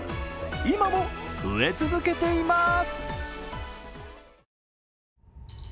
今も売れ続けています。